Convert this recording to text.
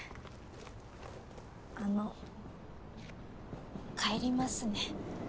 あの帰りますね。